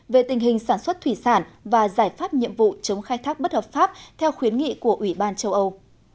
về tình hình sản xuất thủy sản và giải pháp nhiệm vụ chống khai thác bất hợp pháp theo khuyến nghị của ủy ban châu âu